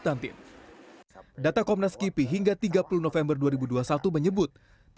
data komnas kipi hingga tiga puluh november dua ribu dua puluh satu menyebut